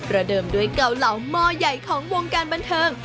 ระเดิมด้วยเกาเหลาหม้อใหญ่ของวงการบันเทิง